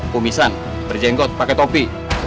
pumisan berjenggot pakai topi